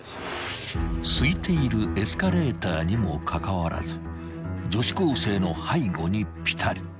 ［すいているエスカレーターにもかかわらず女子高生の背後にぴたり］